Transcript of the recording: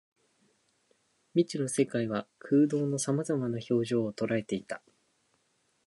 未知の世界は空洞の様々な表情を捉えていた